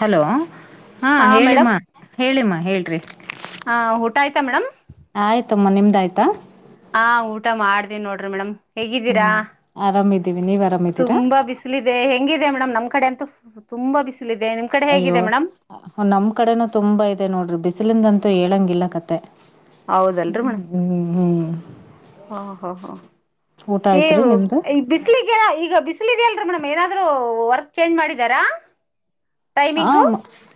Hello ಹಾ ಹೇಳಿಮ್ಮಾ ಹೇಳಿಮ್ಮಾ ಹೇಳ್ರಿ ಹಾ ಊಟ ಆಯ್ತಾ ಮೇಡಮ್ ಆಯ್ತಮ್ಮ ನಿಮ್ದ ಆಯ್ತಾ ಹಾ ಊಟ ಮಾಡ್ದೀನ್ ನೋಡ್ರಿ ಮೇಡಮ್ ಹೇಗಿದ್ದೀರಾ ಹ್ಮ್ ಆರಾಮಿದ್ದೀವಿ ನೀವ್ ಆರಾಮಿದ್ದೀರಾ ತುಂಬಾ ಬಿಸ್ ಬಿಸಿಲ ಇದೆ ಹೆಂಗಿದೆ ಮೇಡಮ್ ನಮ್ ಕಡೆ ಅಂತ ತುಂಬಾ ಬಿಸಿಲ ಇದೆ ನಿಮ ಅಯ್ಯೋ ನಮ್ ಕಡೆನೂ ತುಂಬಾ ಇದೆ ನೋಡ್ರಿ ಬಿಸಿಲಿಂದಂತೂ ಹೇಳಂಗಿಲ್ಲ ಕತೆ ಹೌದಲ್ರಿ ಮೇಡಮ್ ಹ್ಮ್ ಹ್ಮ್ ಓಹೋ ಹೋ ಊಟ ಆಯ್ತ್ರಿ ನಿಮ್ದ ಬಲಿಗೆ ಈಗ ಬಿಸಿಲ ಇದ ಅಲ್ರೀ ಮೇಡಮ್ ಏನಾದ್ರು ವರ್ಕ್ ಚೇಂಜ್ ಮಾಡಿದಾರಾ ಹ ಟೈಮಿಂಗು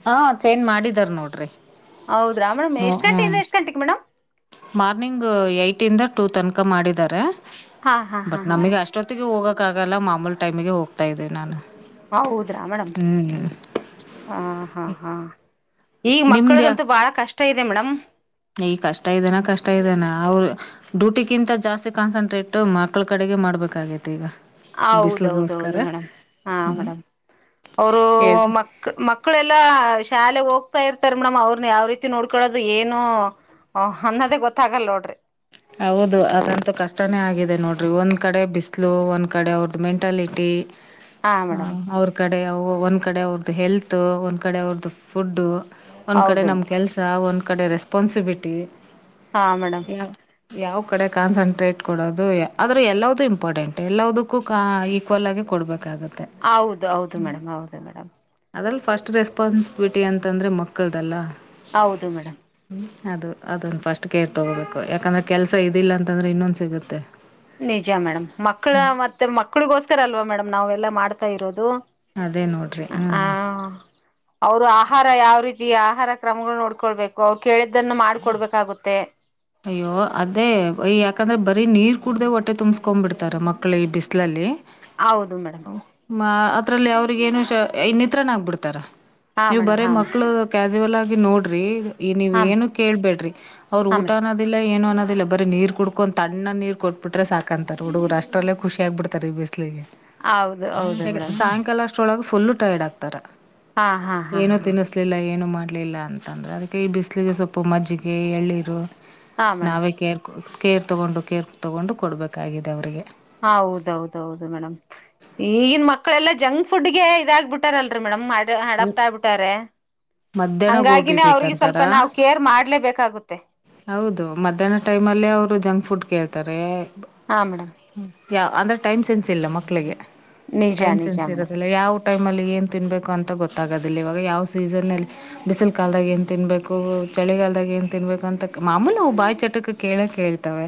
ಹ ಚೇಂಜ್ ಮಾಡಿದಾರ ನೋಡ್ರಿ ಹೌದಾ ಹ್ಮ ಮೇಡ್ಷ್ಟ ಗಂಟೆಯಿಂದ ಹ್ಮ್ ಎಷ್ಟು ಗಂಟೆಗೆ ಮೇಮ್ ಮಾರ್ನಿಂಗ್ ಏಟ್ ಇಂದ ಟು ತನಕ ಮಾಡಿದ್ದಾರೆ ಹಾ ಹಾ ಹಾ ಬಟ್ ಮೇಡಮ್ ನಮಗೆ ಅಷ್ಟ ಅಷ್ಟೊತ್ತಿಗೆ ಹೋಗೋಕ್ಕಾಗಲ್ಲ ಮಾಮೂಲಿ ಟೈಮಿಗೆ ಹೋಗ್ತಾ ಇದ್ದೀಿ ನಾನು ಹ ಹೌದ್ರಾ ಮೇಡಮ್ ಹ್ಮ್ ಹ ಹಾ ಹಾ ಈಗ ನಿಮ್ದ್ಯಾ ಮಕ್ಕಳದಂತೂ ಬಹಳ ಕಷ್ಟ ಇದೆ ಮೇಡಮ್ ಈ ಕಷ್ಟ ಇದಾನ ಕಷ್ಟ ಇದ್ದಾನ ಅವರು ಡ್ಯೂಟಿಗಿಂತ ಜಾಸ್ತಿ ಕಾನ್ಸಂಟ್ರೇಟ್ ಮಕ್ಳ ಕಡೆಗೆ ಮಾಡ್ಬೇಕಾಗೈತಿ ಈಗ ಹೌದೌದೌದು ಬಿಸ್ಲಗೋಸ್ಕರ ಮೇಡ್ ಹಾ ಮೇಡ್ ಅವರು ಹೇಳ್ರಿ ಮ ಮಕ್ಕಳೆಲ್ಲಾ ಶಾಲೆಗೆ ಹೋಗ್ತಾ ಇರ್ತಾರೆ ಮೇಡಮ್ ಅವ್ರನ್ನ ಯಾವ ರೀತಿ ನೋಡ್ಕೊಳೋದು ಏನುೋ ಓಹ್ ಅನ್ನೋದೇ ಗೊತ್ತಾಗಲ್ಲ ನೋಡ್ರಿ ಹೌದು ಅದಂತೂ ಕಷ್ಟನೇ ಆಗಿದೆ ನೋಡ್ರರಿ ಒಂದು ಕಡೆ ಬಿಸಿಲು ಒಂದು ಕಡೆ ಅವ್ರದ್ದು ಮೆಂಟಾಲಿಟಿ ಹಾ ಮೇಡಮ್ ಅವ್ರ ಕಡೆ ಒಂದು ಕಡೆ ಅವ್ರ್ದು ಹೆಲ್ತ್ ಒಂದು ಕಡೆ ಅವ್ರದ್ದು ಫುಡ್ಡು ಒಂದು ಕಡೆ ಹೌದು ನಮ್ಮ ಕೆಲಸ ಒಂದು ಕಡೆ ರೆಸ್ಪಾನ್ಸಿಬಿಲಿಟಿ ಹಾ ಮೇಡಮ್ ಯ ಯಾವ ಕಡೆ ಕಾನ್ಸಂಟ್ರೇಟ್ ಕೊಡೋದು ಆದ್ರೂ ಎಲ್ಲ್ದೂ ಇಂಪಾರ್ಟೆಂಟ್ ಎಲ್ಲದಕ್ಕೂ ಈಕ್ವಲ್ ಆಗಿ ಕೊಡ್ಬೇಕು ಇಾತ ಹೌದು ಹೌದು ಮೇಡಮ್ ಹೌದು ಮೇಡಮ್. ಅದ್ರಲ್ಲಿ ಫಸ್ಟ್ ರೆಸ್ಪಾನ್ಸಿಬಿಲಿಟಿ ಅಂತಂದ್ರೆ ಮಕ್ಕಳ್ದಲ್ಲ. ಹೌದು ಮೇಡಮ್. ಹ್ಮ ಅದು ಅದೊಂದು ಫಸ್ಟ್ ಕೇರ್ ತಗೋಬೇಕು ಯಾಕಂದ್ರೆ ಕೆಲ್ಸ ಇದಿಲ್ಲಾ ಅಂತಂದ್ರೆ ಇನ್ನೊಂದ ಸಿಗುತ್ತೆ. ನಿಜ ಮೇಡಮ್ ಮಕ್ಳ ಮತ್ತೆ ಮಕ್ಕಳಿಗೋಸ್ತರ ಅಲ್ವಾ ಮೇಡಮ್ ನಾವೆಲ್ಲಾ ಮಾಡ್ತಾ ಇರೋದು. ಅದೇ ನೋಡ್ರಿ ಹ್ಮ್ ಅವ್ರು ಆಹಾರ ಯಾವ ರೀತಿ ಆಹಾರ ಕ್ರಮಗಳ ನೋಡ್ಕೊಳ್ಬೇಕು ಅವ್ರು ಕೇಳಿದ್ದನ್ನು ಮಾಡ್ಕೊಡ್ಬೇಕಾಗುತ್ತೆ ಅಯ್ಯೋ ಅದೇಯ ಯಾಕಂದ್ರೆ ಬರೀ ನೀರ್ ಕುೂಡ್ದ ಹೊಟ್ಟೆ ತುಂಬಸ್ಕೊ್ ಬಿಡ್ತಾರೆ ಮಕ್ಳು ಈ ಬಿಸಿ್ಲಲ್ಲಿ ಹೌದು ಮೇಡಮ್ ಅದರಲ್ಲಿ ಅವ್ರಿಗ ಏನು ಇನ್ನತ್ರನ ಆಗ್ಬಿಡ್ತಾರ ಹಾ ನೀವು್ ಮೇಡಮ್ ಬರೇ ಹಾ ಮೇಡಮ್ ಮಕ್ಳು ಕಾಸುವಲ್ ಆಗಿ ನೋಡ್ರಿ ನೀವ ಹಾ ಏನು ಮೇಡಮ್ ಕೇಳ್ಬೇಡ್ರಿ ಅವ್ರ ಹಾ ಊಟ ಮೇಡಮ್ ಅನ್ನದಿಲ್ಲ ಏನು ಅನ್ನೋದಿಲ್ಲ ಬರ ನೀ ಕುಡ್ಕೊಂಡ್ ತಣ್ಣ ನೀರ್ ಕೊಟ್ಬಿಟ್ರೆ ಸಾಕಂತಾರೆ ಹುಡುಗರು ಅಷ್ಟ್ರಲ್ಲ ಖುಷಿ ಆಗ್ಬ ಬಿಡ್ತಾರೆ ಈ ಬ ಹೌದು ಹೌದು ಇಲ ಗ ಮೇಡಮ್ ಸಾಯಂಕಾಲ ಅಷ್ಟೊಳಗ ಫುಲ್ಲು ಟೈರ್ಡ್ ಆಗ್ತಾರ ಹಾ ಹಾ ಹಾ ಏನೋ ಹಾ ತಿನ್ನಿಸತ ಬಿಸಲಿಲ್ಲ ಏನು ಮಾಡಲಿಲ್ಲ ಅಂತಂದರೆ ಅದಕ್ಕೆ ಈ ಬಿಸಿಲಿಗೆ ಸ್ವಲ್ಪ ಮಜ್ಜಿಗೆ ಎಳ್ಳೀರು ಹಾ ಮೇಡಮ್ ನಾವೇ ಕೇರ್ ಕೇರ್ ತೊಗೊಂಡು ಕೇರ್ ತೊಗೊಂಡು ಕೊಡಬೇಕಾಗಿದೆ ಅವರಿಗೆ ಹಾ ಹೌದೌದೌದು ಮೇಡ್ ಈಗಿನ ಮಕ್ಕಳೆಲ್ಲ ಜಂಕ್ ಫುಡ್ ಗೆ ಇದಾಗ್ಬ ಬಿಟ್ಟಾರಲ್ರಿ ಮೇಡಮ್ ಮಾಡ ಅಡಪ್ ಆಗ್ತಾರೆ ಮಧ್ಯಾಹ್ನ ಹಂಗಾಗಿ ಗೋಬಿ ಅವರಿಗೆ ನಾವು ಬೇಕಂತಾರ ಸ್ವಲ್ಪ ಕೇರ್ ಕೇರ್ ಮಾಡ್ಲೆಬೇಕಾಗುತ್ತೆ ಹೌದು ಮಧ್ಯಾಹ್ನ ಟೈಮ್ ಅಲ್ಲೇ ಅವ್ರು ಜಂಕ್ ಫುಡ್ ಕೇಳ್ತಾರೇ ಹಾ ಮೇಡಮ್. ಯಾ ಅಂದ್ರೆ ಟೈಮ್ ಸೆನ್ಸ್ ಇಲ್ಲ ಮಕ್ಕಳಿಗೆ ನಿಜ ಟೈಮ್ ನಿಜ ಸೆನ್ಸ್ ಮೇಡಮ್ ಇರೋದಿಲ್ಲ ಯಾವ ಟೈಮಲ್ಲಿ ಏನು ತಿನ್ಬೇಕು ಅಂತ ಗೊತ್ತಾಗದಿಲ್ಲ ಇವಾಗ ಯಾವ ಸೀಸನಲ್ಲಿ ಬಿಸಿಲ್ ಕಾಲ್ದಾಗ ಏನ್ ತಿನ್ಬೇಕು ಚಳಿಗಾಲ್ದಾಗ ಏನ್ ತಿನ್ಬೇಕು ಅಂತಕ್ ಮಾಮೂಲಿ ಅವು ಬಾಯಿ ಚಟಕ್ಕೆ ಕೇಳೆ ಕೇಳ್ತವೆ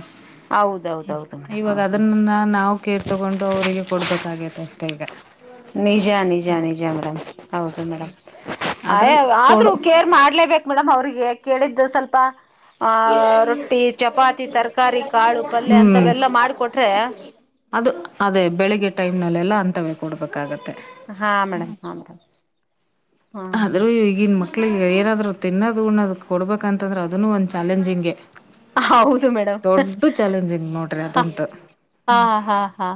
ಹೌದೌದೌದು ಮೇಡಮ್ ಇವಾಗ ಹೌದು ಅದನ್ನನ ನಾವು ಕೇರ್ ತಗೊಂಡು ಅವರಿಗೆ ಕೊಡ್ಬೇಕಾಗ್ಯತ್ತ ಅಷ್ಟೇ ಈಗ ನಿಜ ನಿಜ ನಿಜ ಮೇಡಮ್ ಹೌದು ಮೇಡಮ್ ಅದ್ರಲ್ಲಿ ಆದ್ರೂ ಕೊಡು ಕೇರ್ ಮಾಡ್ಲೆ ಬೇಕ್ ಮೇಡಮ್ ಅವ್ರಿಗೆ ಕೇಳಿದ್ದು ಸ್ವಲ್ಪ ಆ ರೊಟ್ಟಿ ಚಪಾತಿ ತರಕಾರಿ ಕಾಳು ಪಲ್ಯ ಹ್ಞೂ ಅಂತವೆಲ್ಲಾ ಮಾಡಿಕೊಟ್ರೆ ಅದು ಅದೇ ಬೆಳಿಗ್ಗೆ ಟೈಮ್ನಲ್ಲೆಲ್ಲ ಅಂತವೇ ಕೊಡ್ಬೇಕಾಗತ್ತೆ. ಹಾ ಮೇಡಮ್ ಹಾ ಮೇಡಮ್. ಹಾ ಆದ್ರೂ ಈಗಿನ ಮಕ್ಳಿಗೆ ಏನಾದ್ರೂ ತಿನ್ನೋದು ಊಣ್ಣೋದು ಕೊಡ್ ಬೇಕೆಂದ್ರೆ ಅದನ್ನು ಒಂದು ಚಾಲೆಂಜಿಂಗೆ ಹೌದು ಮೇಡಮ್ [inaudible] ದೊಡ್ಡ ಚಾಲೆಂಜಿಂಗ್ ನೋಡ್ರಿ ಹ ಆದಂತು. ಹಾ ಹಾ ಹಾ.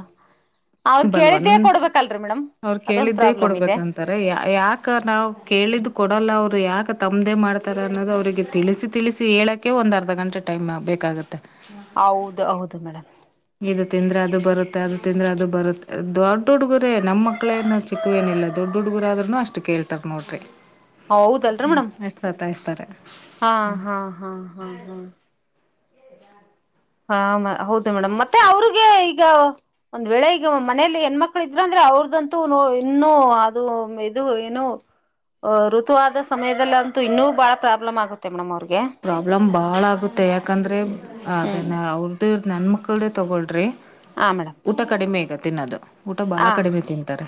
ಅವ್ರ ಬಲ್ವನ್ ಕೇಳಿದ್ದೇ ಕೊಡ್ಬೇಕು ಅಲ್ರಿ ಮೇಡಮ್ ಅದೊಂದು ಪ್ರಾಬ್ಲಮ್ ಇದೆ. ಅರ ಯಾ [unintelligible] ನಾವು ಕೇಳಿದ್ ಕೊಡಲ್ಲ ಅವ್ರು ಯಾಕ ತಮ್ಮದೇ ಮಾಡ್ತಾರ ಅನ್ನೋದು ಅವ್ರರಿಗೆ ತಿಳಿಸಿ ತಿಳಿಸಿ ಹೇಳಕ್ಕೆ ಕೆ ಒಂದ್ ಅರ್ಧ ಗಂಟೆ ಟೈಮ್ ಬೇಕಾಗುತ್ತೆ. ಹೌದ್ ಹೌದು ಮೇಡಮ್. ಇದು ತಿಂದ್ರೆ ಅದು ಬರುತ್ತೆ ಅದು ತಿಂದ್ರೆ ಅದು ಬರುತ್ತೆ ದೊಡ್ಡ ಹುಡ್ಗುರೇ ನಮ್ಮ ಮಕ್ಳೇ ಇನ್ ಚಿಕ್ಕ ಏನಿಲ್ಲ ದೊಡ್ ಹುಡುಗುರಾದ್ರಾನೂ ಅಷ್ಟೇ ಕೇಳ್ತಾರ ನೋಡ್ರಿ ಹೌದಲ್ರಿ ಹ್ಮ ಮೇಡಮ್ ಅಷ್ಟ ಸತ್ತಾಯಿಸ್ತಾರೆ. ಹಾ ಹಾ ಹಾ ಹಾ ಹಾ. ಹಾ ಮಾ ಹೌದು ಮೇಡಮ್ ಮತ್ತೆ ಅವ್ರಿಗೆ ಈಗ ಒಂದ್ ವೇಳೆ ಈಗ ಮನೇಲಿ ಹೆಣ್ಮಕ್ಳ ಇದ್ರ ಅಂದ್ರೆ ಅವ್ರದಂತೂ ಇನ್ನು ಅದು ಇದು ಏನು ಅ ಋತುವಾದ ಸಮಯದಲ್ಲಿ ಅಂತೂ ಇನ್ನೂ ಬಹಳ ಪ್ರಾಬ್ಲಮ್ ಆಗುತ್ತೆ ಮೇಡಮ್ ಅವ್ರಿಗೆ ಪ್ರಾಬ್ಲಮ್ ಭಾಳ ಆಗುತ್ತೆ ಯಾಕಂದ್ರೆ ಅದ ಹ್ಮ್ ಅವ್ರದ್ದು ನನ್ನ ಮಕ್ಕಳದ್ದೆ ತೊಗೊಳ್ರಿ ಹಾ ಮೇಡಮ್ ಊಟ ಕಡಿಮೆ ಈಗ ತಿನ್ನೋದು ಊಟ ಬಾಳ ಹಾ ಕಡಿಮೆ ತಿಂತಾರೆ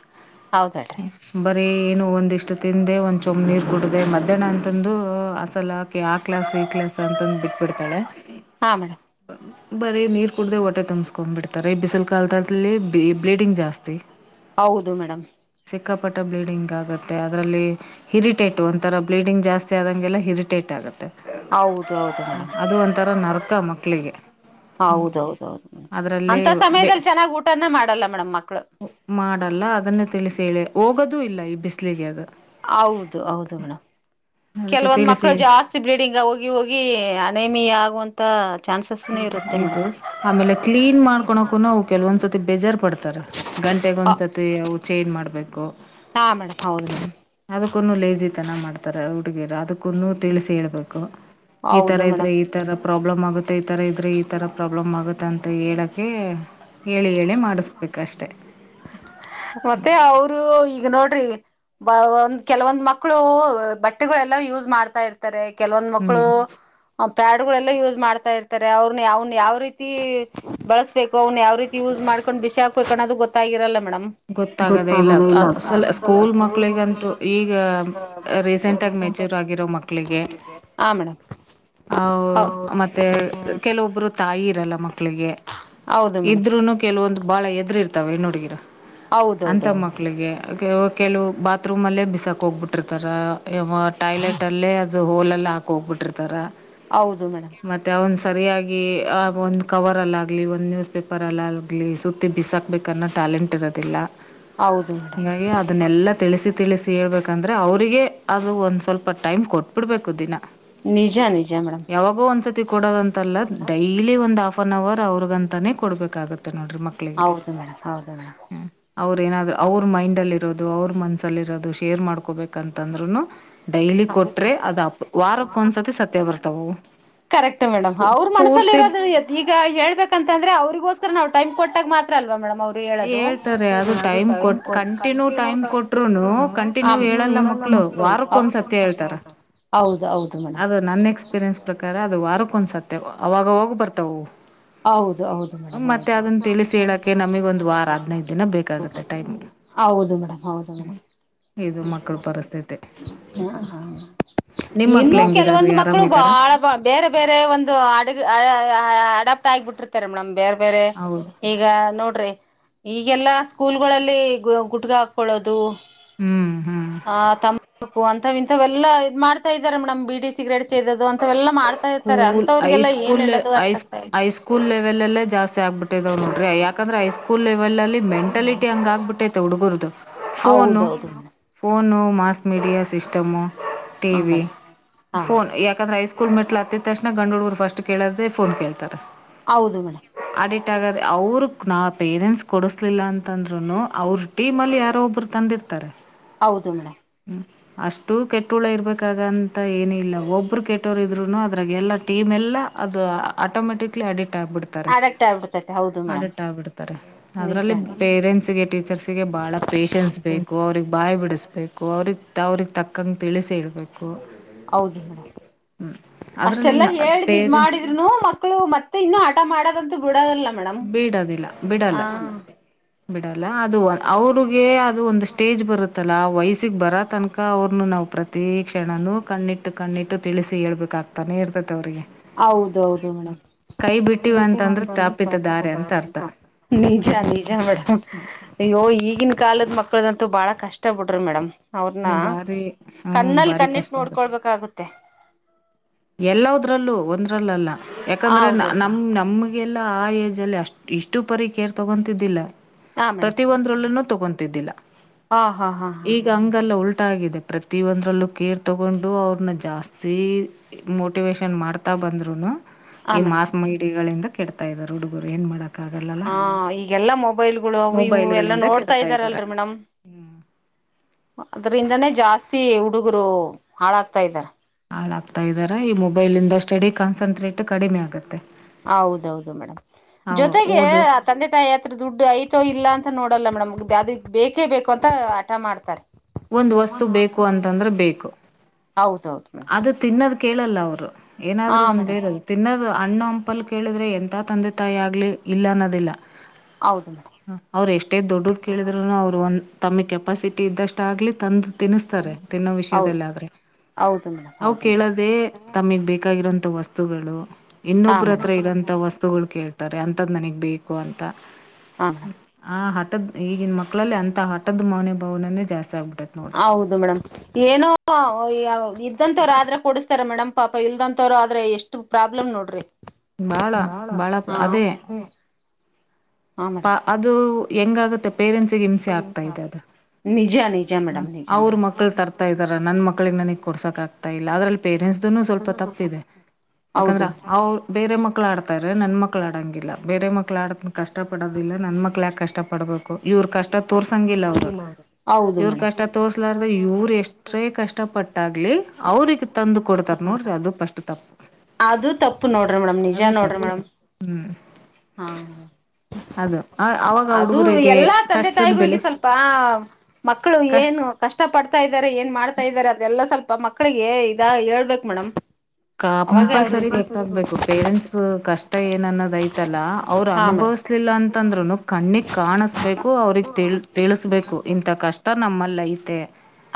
ಹೌದು ಹೇಳ್ರಿ ಬರೀ ಏನು ಒಂದಿಷ್ಟು ತಿಂದೆ ಒಂದ್ ಚೊಂಬ್ ನೀರು ಕುಡಿದೆ ಮಧ್ಯಾಹ್ನ ಅಂತಂದು ಹಸಲ್ ಹಾಕಿ ಹಾಕ ಕ್ಲಾಸ್ ಈ ಕ್ಲಾಸ್ ಅಂತಂದು ಬಿಟ್ಬ ಬಿಡ್ತಾಳೆ ಹಾ ಮೇಡಮ್. ಬ [unintelligible] ಬರೀ ನೀರ್ ಕುಡ್ದೆ ಹೊಟ್ಟೆ ತುಂಬ್ಸೊಕೊಂಡ್ ಬಿಡ್ತಾರೆ ಬಿಸಿಲು ಕಾಲದಲ್ಲಿ ಬ್ಲೀಡಿಂಗ್ ಜಾಸ್ತಿ ಹೌದು ಮೇಡಮ್. ಸಿಕ್ಕಾಪಟ್ಟೆ ಬ್ಲೀಡಿಂಗ್ ಆಗುತ್ತೆ ಅದರಲ್ಲಿ ಹಿರಿಟೇಟು ಒಂಥರ ಬ್ಲೀಡಿಂಗ್ ಜಾಸ್ತಿ ಆದಂಗೆಲ್ಲ ಹಿರಿಟೇಟ್ ಆಗುತ್ತೆ. ಹೌದು ಹೌದು ಮೇಡಮ್ [unintelligible] ಅದು ಒಂಥರ ನರ್ಕ ಮಕ್ಳಿಗೆ. ಹೌದೌದೌದು ಮೇಡಮ್ ಅಂತ ಬೆ ಸಮಯದಲ್ಲಿ ಚೆನ್ನಾಗ್ ಊಟನೆ ಮಾಡಲ್ಲ ಮೇಡಮ್ ಮಕ್ಳು. ಮಾಡಲ್ಲ ಅದನ್ನ ತಿಳಿಸಿ ಹೇಳೆ ಹೋಗದೂ ಇಲ್ಲ ಈ ಬಿಸಲಿಗೆ ಅದ ಹೌದು ಹೌದು ಮೇಡಮ್ ಅದಕ್ಕೆ ಕೆಲವೊಂದ್ ತಿಳಿಸಿ ಮಕ್ಕಳು ಹೇಳಿ ಜಾಸ್ತಿ ಬ್ಲೀಡಿಂಗ್ ಹೋಗಿ ಹೋಗಿ ಅನೇಮಿಯಾ ಆಗುವಂಥ ಚಾನ್ಸಸ್ನೂ ಇರುತ್ತೆ ಇದು ಮೇಡಮ್. ಆಮೇಲೆ ಕ್ಲೀನ್ ಮಾಡ್ಕೊಳಕು ಅವು ಕೆಲವೊಂದ್ಸತಿ ಬೇಜಾರ್ ಪಡ್ತಾರೆ. ಗಂಟೆಗ ಒಂದ್ಸತಿ ಅವು ಚೈಜ್ ಮಾಡ್ಬೇಕು ಹಾ ಮೇಡಮ್ ಹೌದು ಮೇಡಂ ಅದಕ್ಕೂನ್ನ ಲೇಸಿತನ ಮಾಡ್ತಾರೆ ಹುಡುಗಿಯರು ಅದಕ್ಕೂನ್ನ ತಿಳಿಸಿ ಹೇಳ್ಬೇಕು ಈ ತರ ಹೌದು ಇದ್ರೆ ಮೇಡಮ್ ಈ ತರ ಪ್ರಾಬ್ಲಮ್ ಆಗುತ್ತೆ ಮತ್ತು ಈ ಥರ ಇದ್ದರೆ ಈ ಥರ ಪ್ರಾಬ್ಲಮ್ ಆಗುತ್ತೆ ಅಂತ ಹೇಳೋಕ್ಕೆ ಹೇಳಿ ಹೇಳಿ ಮಾಡಿಸ್ಬೇಕಷ್ಟೆ ಮತ್ತೆ ಅವರು ಈಗ ನೋಡ್ರಿ ಬ ಒಂದ್ ಕೆಲವೊಂದ್ ಮಕ್ಕಳು ಬಟ್ಟೆಗಳೆಲ್ಲ ಯೂಸ್ ಮಾಡ್ತಾ ಇರ್ತಾರೆ ಾರೆ ಕೆಲವೊಂದ್ ಮಕ್ಕಳು ಹ್ಞೂ ಪ್ಯಾಡ್ಗಳೆಲ್ಲ ಯೂಸ್ ಮಾಡ್ತಾ ಇರ್ತಾರೆ ಅವ್ರನ್ನ ಯಾವನ್ನ ಯಾವ ರೀತಿ ಬಳಸ್ ಬೇಕು್ ಯಾವ ರೀತಿ ಯೂಸ್ ಮಾಡ್ೊಂಡು ಬಿಸಿ ಹಾಕ್ಬೇಕು ಅನ್ನದು ಗೊತ್ತಾಗಿರಲ್ಲ ಮೇಡಂ ಗೊತ್ತಾಗದೇ ಇಲ್ಲ ಸಲ ಸ್ಕೂಲ್ ಮಕ್ಳಿಗಂತೂ ಈಗ ರೀಸೆಂಟಾಗಿ ಮೆಚ್ಯೂರ್ ಆಗಿರೋ ಮಕ್ಕಳಿಗೆ ಹಾ ಮೇಡಮ್ ಆ್ ಹೌ ಮತ್ತೆ ಕೆಲವೊಬ್ರು ತಾಯಿ ಇರಲ್ಲ ಮಕ್ಕಳಿಗೆ ಹೌದು ಮೇಡಮ್ ಇದ್ರೂ ಕೆಲವೊಂದು ಬಹಳ ಎದು್ರ ಇರ್ತಾವವೆ ಹೆಣ್ಣುಹುಡ್ಗಿರು ಅಂಥ ಹೌದೌದೌದು ಮೇಡಮ್ ಮಕ್ಕಳಿಗೆ ಕೆಲವು ಬಾತ್ರೂಮಲ್ಲೇ ಬಿಸಾಕ ಹೋಗ್ಬಿಟ್ಟಿರ್ತಾರ ಟಾಯ್ಲೆಟಲ್ಲೇ ಅದು ಹೋಲಲ್ಲಿ ಹಾಕೋಗ್ಬಿಟ್ಟಿರ್ತಾರೆ ಹೌದು ಮೇಡಮ್ ಮತ್ತೆ ಅವನ್ ಸರಿಯಾಗಿ ಆ ಒಂದು ಕವರ್ ಅಲ್ಲ ಆಗಲಿ ಒಂದು ನ್ಯೂಸ್ ಪೇಪರ್ಲ್ಲ ಆಗಲಿ ಸುತ್ತ ಬಿಸಾಕ್ಬೇಕನ್ನ ಟಾಲೆಂಟ್ ಿರದಿಲ್ಲ ಹೌದು ಮೇಡಮ್ ಹೀಾಗಿ ಅದನ್ನೆಲ್ಲಾ ತಿಳಿಸಿ ತಿಳಿಸಿ ಹೇಳ್ಬೇಕಂದ್ರೆ ಅವರಿಗೆ ಅದು ಒಂದು ಸ್ವಲ್ಪ ಟೈಮ್ ಕೊಟ್ಬಿಡ್ಬೇಕು ದಿನ ನಿಜಾ ನಿಜಾ ಮೇಡಮ್ ಒಂದಸತಿ ಕೊಡೋದಂತಲ್ಲ ಡೈಲಿ ಒಂದ್ ಹಾಫ್ ಅನ್ ಅವರ್ ಅವ್ರಗಂತಾನೇ ಕೊಡ್ಬೇಕಾಗತ್ತೆ ನೋಡ್ರಿ ಮಕ್ ಹೌದು ಮೇಡಮ್ ಹೌದು ಮೇಡಮ್ ಹ ಅವ್ರ ಏನಾದ್ರು ಅವ್ರ ಮೈಂಡ್ ಅಲ್ಲಿ ಇರೋದು ಅವ್ರ ಮನಸಲ್ಲಿ ಇರೋದು ಶೇರ್ ಮಾಡ್ಕೋಬೇಕಂತಂದ್ರುನು ಡೈಲಿ ಕೊಟ್ರೆ ಅದಪ್ ವಾರಕ್ಕ ಒಂದ್ಸತಿ ಸತ್ಯ ಬರ್ತಾವವು ಕರೆಕ್ಟ್ ಮೇಡಮ್ ಅವ್ರ ಮನಸಲ್ಲಿ ಇರೋದು ಈಗ ಹೇಳ್ಬೇಕಂತಂದ್ರೆ ಅವ್ರಿಗೋಸ್ಕರ ನಾವು ಟೈಮ್ ಕೊಟ್ಟಾಗ ಮಾತ್ರ ಅಲ್ವಾೇಡಮ್ ಅವ್ರು ಹೇಳದು ಹೇಳ್ತಾರೆ ಅದು ಟೈಮ್ ಕೊಟ್ಟು ಕೊಟ್ಟರುನು ಕಂಟಿನ್ಯೂ ಟೈಮ್ ಕೊಟ್ರೂ ಕೊಟ್ರನು ಹಾ ಮೇಡಂ ಹೇಳಲ್ಲ ಮಕ್ಳು ವಾರಕ್ಕ ಒನ್ಸ ಹೌದು ಹೌದು ಮೇಡಮ್ ನನ್ನ ಎಕ್ಸ್ಪೀರಿಯೆನ್ಸ್ ಪ್ರಕಾರ ಅದು ವಾರಕ್ಕ ಒಂದಸತ್ತೆ ಅವಾಗ ಹೋಗ್ ಬರ್ತಾವವು ಹೌದು ಹೌದು ಮೇಡಮ್ ಹೌದು ತಿಳಿಸಿ ಹೇಳೋಕ್ಕೆ ನಮಗೊಂದು ವಾರ ಹದಿನೈದು ದಿನ ಬೇಕಾಗುತ್ತೆ ಟೈಮು ಹೌದು ಮೇಡಮ್ ಹೌದು ಮೇಡಮ್ ಇದು ಮಕ್ಕಳ ಪರಿಸ್ಥಿತಿ ಹ ಹಾ ನಿಮ್ಮ [inaudible] ಮಕ್ಳು ಇನ್ನು ಹೆಂಗಿದಾರೆ ಕೆಲವೊಂದು ರೀ ಮಕ್ಕಳು ಆರಾಮಿದ್ದಾರಾ ಬಾಳ ಬೇರೆ ಬೇರೆ ಒಂದು ಅಡು ಅಡಾಪ್ಟ್ ಆಗಿಬಿಟ್ಟಿರ್ತಾರೆ ಮೇಡಮ್ ಬೇರೆ ಬೇರೆ ಹೌದು ಈಗ ನೋಡ್ರಿ ಈಗೆಲ್ಲಾ ಸ್ಕೂಲ್ಗಳಲ್ಲಿ ಗುಟ್ಕ ಹಾಕೊಳ್ಳೋದು ಹ್ಮ್ ಹ್ಮ್ ಹ ತಮ್ಮಾಕು ಅಂತ ಇಂಥವೆಲ್ಲಾ ಇದ್ ಮಾಡ್ತಾ ಇದಾರೆ ಮೇಡಮ್ ಬಿಡಿ ಸಿಗ್ರೇಟ್ ಸೇದೋದು ಅಂತವೆಲ್ಲಾ ಮಾಡ್ತಾ ಇತಾರೆ ಸ್ಕೂಲ್ ಅಂತವ್ರಗೆಲ್ಲ ಏನ್ ಹೇಳೋ ಅರ್ಥ ಆಗ್ತಾ ಇಲ್ಲ ಸ್ಕೂಲ್ ಲೆವೆಲ್ಲ್ಲ ಜಾಸ್ತಿ ಆಗ್ಬಿಟ್ಟಿದಾವ ನೋಡ್ರ ಯಾಕಂದ್ರ ಹಐ ಸ್ಕೂಲ್ ಲೆವೆಲ್ ಅಲ್ಲಿ ಮೆಂಟಾಲಿಟಿ ಹಂಗ ಆಗ್ಬಿಟ್ಟೈತೆ ಹುಗುರ್ದು ಫೋನು ಹೌದೌದು madam phone mass media system T ಹಾ ವಿ ಮೇಡಮ್ ಹಾ ಫೋನ್ ಮೇಡಮ್ ಯ ಯಾಕಂದ್ರ ಐ ಸ್ಕೂಲ್ ಮೆಟ್ಲ ಹತ್ತ ತಣ ಗಂಡುಗರು ಫಸ್ಟ್ ಕೇಳದ ಫೋನ್ ಕೇತಾರೆ ಹೌದು ಮೇಡಮ್ ಅಡಿಟ್ ಆಗದೆ ಅವ್ರ ನಾ ಪೇರೆಂಟ್ಸ್ ಕೊಡಿಸ್ಲಿಲ್ಲ ಅಂತಂದ್ರು ಅವರು ಟೀಮಲ್ಲಿ ಯಾರೋ ಒಬ್ರು ತಂದಿರ್ತಾರೆ ಹೌದು ಮೇಡಮ್ ಹ್ಮ ಅಷ್ಟು ಕೆಟ್ಟೋಳ ಇರ್ಬೇಕಾಗಂತ ಏನಿಲ್ಲ ಒಬ್ಬ ಕ್ರಿಕೆಟೋರು ಇದ್ರುೂ ಅದ್ರಾಗ ಎಲ್ಲ ಟೀಮ್ ಎಲ್ಲ ಅದು ಆಟೋಮೆಟಿಕ್ಲಿ ಅಡಿಟ್ ಆಗ್ಿಬಿಡ್ತೆ ಎಡಿಟ್ ಆಗ್ಬಿಡ್ತಾರೆ ಎಡಿಟ್ ಆಗ್ಬಿಡ್ತಾರೆ ಅದ್ರಲ್ಲಿ ನಿಜ ಪೇರೆಂಟ್ಸ್ಗೆ ಟೀಚರ್ಸ್ಗೆ ಬಹಳ ಪೇೇಶನ್ಸ್ ಬೇಕು ಅವ್ರಗ್ ಬಾಯ್ ಬಿಡಿಸ್ಬೇಕು ಅವ್ರಿಗೆ ಅವ್ರಿಗೆ ತಕ್ಕಂ ತಿಳಿಸಿ ಇಡಬೇಕು ಹೌದು ಮೇಡಮ್ ಅದರಲ್ಲಿ ಅಷ್ಟೆಲ್ಲಾ ನ ಹೇಳಿ ಮ ಪೇರೆಂಟ್ ಮಾಡ ಮಕ್ಕಳು ಮತ್ತೆ ಇನ್ನುೂ ಆಟ ಮಾಡೋದಂತೂ ಬಿಡೋದಲ್ಲ ಮೇಡಮ್ ಬಿಡಲ್ಲ ಅದು ಅವ್ರಿಗೆ ಅದು ಒಂದು ಸ್ಟೇಜ್ ಬರುತ್ತಲ್ಲ ವಯಸ್ಸಿಗೆ ಬರ ತನ್ಕ ಅವ್ರನು ನಾವು ಪ್ರತಿ ಕ್ಷಣನುೂ ಕಣ್ಣಿಟ್ಟು ಕಣ್ಣಿಟ್ಟು ತಿಳಿಸಿ ಹೇಳ್ಬೇಕಾಗ್ತಾನೆ ಇರ್ತತಿ ಅವ್ರಿಗೆ ಹೌದ ಹೌದು ಮೇಡಮ್ ಬಿಟ್ಟೀ ಅಂತಂದ್ರ ಅಂತ ತಾಪಿತ ದಾರಿ ಅಂತ ಅರ್ಥ ನಿಜ ಜ ಮೇಡಮ್ ಅಯ್ಯೋ ಈಗಿನ ಕಾಲದ ಮಕ್ಳದಂತೂ ಬಹಳ ಕಷ್ಟ ಬಿಡ್ರಿ ಮೇಡಮ್ ಅವ್ರನ್ನ ಬಾರಿ ಹ್ಮ್ ಕಣ್ಣಲ್ಲಿ ಬಾರಿ ಕಣ್ಣಿಟ್ಟ ಕಷ್ಟ ಆಗುತ್ತೆ ನೋಡ್ಕೊಳ್ಬೇಕಾಗುತ್ತೆ ಎಲ್ಲದ್ರಲ್ಲೂ ಒಂದ್ರಲ್ಲಲ್ಲ ಹ ಯಾಕಂದ್ರೆ ಹೌದೌದು ನಮ್ ನಮ ಲ್ಲಾ ಆ ಏಜ್ ಅಲ್ಲಿ ಅಷ್ಟ್ ಇಷ್ಟು ಪರಿ ಕೇರ್ ತಗೊತಿದ್ದಿಲ್ಲ ಹಾ ಮೇಡಮ್ ಪ್ರತಿಯ ಒಂದ್ರಲ್ಲನುೂ ತಗೊತಿದ್ದಿಲ್ಲ ಹಾ ಹಾ ಹಾ ಹಾ ಈಗ ಹಾ ಹಂಗಲ್ಲ ಉಲ್ಟ ಆಗಿದೆ ಪ್ರತಿಿಯ ಒಂದ್ರಲ್ಲೂ ಕೇರ್ ತಗೊಂಡು ಅವ್ರನ್ನ ಜಾಸ್ತಿ ಮೋಟಿವೇಶನ್ ಮಾಡ್ತಾ ಬಂದ್ರುನು ಹಾ ಈ ಮೇಡಮ್ ಮಾಸ್ ಇಿಡಿಗಳಿಂದ ಕೆಡ್ತಾ ಇದ್ದಾರೆ ಹುಡುಗರು ಏನ್ ಮಾಡ ಹಾ ಈಗೆಲ್ಲಾ ಮೊಬೈಲ್ಗಳುವು ಇವು ಎಲ್ಲಾ ಮೊಬೈಲ್ಗಳಿಂದ ನೋಡ್ತಾ ಕೆಡ್ತಾ ಇದಾರೆ ಇದ್ದಾರಲ್ರಿ ಮೇಡಮ್ ಅದರಿಿಂದಾನೇ ಜಾಸ್ತಿ ಹುಡುಗರು ಹಾಳಾಗ್ತಾ ಇದಾರೆ ಹಾಳಾಗ್ತಾ ಇದಾರ ಈ ಮೊಬೈಲ್ಂದ ಸ್ಟಡಿ ಕಾನ್ಸನ್ಟ್ರೇಟ್ ಕಡಿಮೆ ಆಗತ್ತೆ ಹೌದೌದು ಮೇಡಮ್ ಜೊತೆಗೆ ಓದು ತಂದೆ ತಾಯಿ ಹತ್ರ ದುಡ್ಡು ಯತ ಇಲ್ಲ ಅಂತ ನೋಡಲ್ಲ ಮೇಡಮ್ ಬೇಕ ಬೇಕುಂತ ಆಟ ಮಾಡ್ತ್ರೆ ಒಂದು ವಸ್ತು ಬೇಕು ಅಂತಂದ್ರೆ ಬೇಕು ಹೌದ ಹೌದು ಮೇಡಮ್ ಅದು ತಿನ್ನೋದು ಕೇಳಲ್ಲ ಅವ್ರು ಹಾ ಏನಾದ್ರು ಒಂದ್ ಮೇಡಮ್ ಬೇರೆ ತಿನ್ನೋದು ಅಣ್ಣು ಹಂಪಲ್ ಕೇಳಿದ್ರೆ ಎಂಥ ತಂದೆ ತಾಯಿ ಆಗಲಿ ಇಲ್ಲ ಅನ್ನೋದಿಲ್ಲ ಹೌದು ಮೇಡಮ್ ಅವ್ರು ಎಷ್ಟೇ ದೊಡ್ಡದ ಕೇಳಿದ್ೂನು ಅವ್ರು ಒಂದ ತಮಗ್ ಕೆಪಾಸಿಟಿ ಇದ್ದಷ್ಟ ಆಗ್ಲಿ ತಂದು ತಿನ್ನಿಸ್ತಾರೆ ತಿನ್ನೋ ಹೌದು ವಿಷಯದಲ್ಲ ಆದ್ರೆ ಹೌದು ಮೇಡಮ್ ಅವು ಹೌದು ಮೇಡಮ್ ಕೇಳೋದೆೇ ತಮಗ್ ಬೇಕಾಗಿರಂತಥ ವಸ್ತುಗಳು ಹಾಂ ಇನ್ನೊಬ್ಬರ ಹತ್ರ ಮೇಡಮ್ ಇರಂತಥ ವಸ್ತುಗಳು ಕೇತಾರೆ ಅಂತದ ನನಗ್ ಬೇಕು ಅಂತ ಹಾಂ ಮೇಡಮ್ ಆ ಹದ ಈಗಿನ ಮಕ್ಕಳಲ್ಲಿ ಅಥ ಆಟದ ಮಾೌನೆ ಬ ಭಾವನೇ ಜಸ್ ಆಗ್ಬಿಟ್ಟೈತೆ ನೋಡ್ರರಿ ಹೌದು ಮೇಡಮ್ ಏನೋ ಇದ್ದಂವ್ರು ಆದ್ರೆ ಕೊಡಿಸ್ತಾರ ಮೇಡ್ ಪಾಪ ಇಲ್ದಂವ್ರು ಆದ್ರೆ ಎಷ್ಟು ಪ್ರಾಬ್ಲಮ್ ನೋಡ್ರಿ ಭಾಳ ಬಾಳ ಭಾಳ ಹ ಅದೇ ಮೇಡ್ ಪಾ ಅದು ಹೆಂಗಾಗುತ್ತೆ. ಪೇರೆಂಟ್ಸ್ ಗೆ ಹಿಂಸೆ ಆಗ್ತಾ ಇದೆ....... ನಿಜ ನಿಜ ಮೇಡಮ್ ನಿಜ ಅವ್ರ ಮೇಡಮ್ ಮಕ್ಕಳು ತರ್ತಾ ಇದ ನನ್ ಮಕ್ಳಿಗೆ ನನಗ್ ಕೊಡ್ಸಕಕ್ ಆತಾ ಇಲ್ಲ ಅದ್ರಲ್ಲಿ ಪೇರೆಂಟ್ಸ್. ಅನ್ನು ಸ್ವಲ್ಪ ತಪ್ಪಿದೆ ಹೌದು ಯಾಕಂದ್ರೆ ಅವ. ಮೇಡಮ್ ಬೇರೆ ಮಕ್ಳು ಆಡ್ತಾರೆ ನನ್ ಮಕ್ಳ ಆಡಂಗಿಲ್ಲ ಬೇರೆ ಮಕ್ಳ ಆಡದ ಕಷ್ಟ ಪಡೋದಿಲ್ಲ ನನ್ ಮಕ್ಳ ಯಾಕೆ ಕಷ್ಟ ಪಡ್ಬೇಕು ಇವ್ರ ಕಷ್ಟ ತೋರ್ಸಂಗಿಲ್ಲ ಅವರು.. ಹೌದು ಇವ್ರ ಮೇಡಮ್ ಕಷ್ಟ ತೋಸ್ಲಾರ್ದ ಇವ್ರು ಎಷ್ಟೇ ಕಷ್ಟ ಪಟ್ಟಾಗ್ಲಿ ಅವ್ರಿಗೆ ತಂದು ಕೊಡ್ತಾರ ನೋಡ್ರಿ ಅದು ಪಸ್ಟ್. ಉ ತಪ್ಪ ಅದು ತಪ್ಪು ನೋಡ್ರಿ ಮೇಡಂ ನಿಜ ನೋಡ್ರಿ ಮೇಡಂ ಹ್ಮ್ ಹಾ ಹ್ಮ್.. ಅದು ಅವಾಗ ಅದು ಹುಡುಗರಿಗೆ ಎಲ್ಲಾ ತಂದೆ ಕಷ್ಟದ ಬೆಲೆ ತಾಯಿಗಳಿಗೆ ಸ್ವಲ್ಪ ಮಕ್ಕಳು ಏನು. ಕಷ್ಟ ಪಡ್ತಾ ಇದ್ದಾರೆ ಏನ್ ಮಾಡ್ತಾ ಇದಾರೆ ಅದೆಲ್ಲ ಸ್ವಲ್ಪ ಮಕ್ಕಳಿಗೆ ಇದ ಹೇಳ್ಬೇಕು ಮೇಡಮ್. ಕ ಅವಾಗ ಕಂಪಲ್ಸರಿ ಅವ್ರಿಗೆ ಗೊತ್ತಾಗ್ಬೇಕು ಪೇರೆಂಟ್ಸ್ ಕಷ್ಟ ಏನ್ನ್ನೋದ ಐತಲ್ಲ. ಅವರು ಹಾ ಮೇಡಮ್ ಅನುಭವಿಸ್ಲಿಲ್ಲ ಅಂತಂದ್ರುನು ಕಣ್ಣಿಗೆ ಕಾಣಿಸಬೇಕು ಅವ್ರಿಗೆ ತಿ ತಿಳಿಸಬೇಕು ಇಂಥ ಕಷ್ಟ. ತ್ತ ನಮ್ಮಲ್ಲಿ ಐತೆ.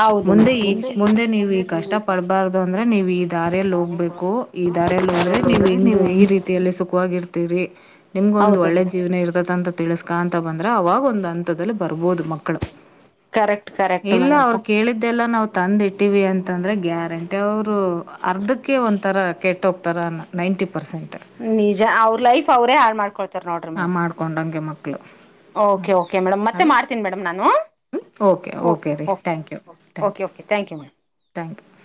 ಹೌದು ಮುಂದೆ ಈ ಮೇಡಮ್ ನಿಜ ಮುಂದೆ ನೀವ್ ಈ ಕಷ್ಟ ಪಡ್ಬಾರ್ದು ಅಂದ್ರೆ ನೀವ್ ಈ ದಾರಿಯಲ್ಲಿ ಹೋಗ. ಹಬೇಕು ಈ ದಾರ ಎಲ್ಲಿ ಹೋದ್ರೆ ನೀವ್ ಹೆಂಗ ಈ ರೀತಿಯಲ್ಲಿ ಸುಖವಾಗಿರ್ತೀರಿ. ನಿಮ್ಗೊಂದು ಹೌದು ಒಳ್ಳೆ ಮೇಡಮ್ ಜೀವನ ಇರತ ಅಂತ ತಿಳಿಸಸ್ಕಾಂತ ಬಂದ್ರೆ ಅವಾಗ ಒಂದು ಹಂತದಲ್ಲಿ ಬರ್ಬೋದು ಮಕ್ಕಳು. ಕರೆಕ್ಟ್ ಕರೆಕ್ಟ್ ಇಲ್ಲ ಮೇಡಮ್ ಅವ್ರು ಕೇಳಿದ್ದೆಲ್ಲ ನಾವು. ತಂದಿಟ್ಟಿವ ಅಂತಂದ್ರೆ ಗ್ಯಾರಂಟಿ ಅವರು ಅರ್ಧಕ್. ಅದಕಕ್ಕೆ ಒಂಥರ ಕೆಟ್ಟೋಗ್ತಾರೆ ನೈಂಟಿ ಪರ್ಸೆಂಟ್. ನಿಜ ಅವ್ರ ಲೈಫ್ ಅವ್ರೇ ಹಾಳ್ ಮಾಡ್ಕೊಳ್ತಾರೆ. ನೋಡ್ರಿ ಹಾ ಮೇಡಮ್ ಮಾಡ್ಕೊಂಡಂಗೆ ಮಕ್ಕಳು. ಹ್ಞೂ ಓಕೆ ಓಕೆ ಮೇಡಮ್ ಮತ್ತೆ ಅದು ಮಾಡ್ತನಿ ಮೇಡಮ್ ನಾನು. ಓಕೆ ಕ ಓಕೆ ರೀ okay okay thank you ma'am. Thank you. [inaudible]